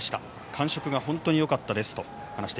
感触が本当によかったですと。